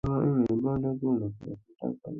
চিন্তা কোরো না, এটা জলদিই থেমে যাবে।